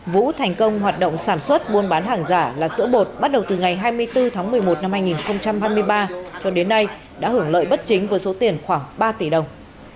vũ thành công hoạt động sản xuất buôn bán hàng giả là sữa bột bắt đầu từ ngày hai mươi bốn tháng một mươi một năm hai nghìn hai mươi ba cho đến nay đã hưởng lợi bất chính với số tiền khoảng ba tỷ đồng